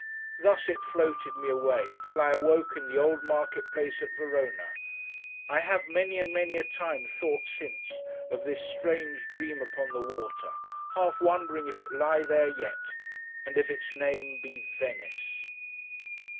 Thus it floated me away, until I awoke in the old market place at Verona. I have, many and many a time, thought since, of this strange Dream upon the water: half wondering if it lie there yet, and if its name be VENICE.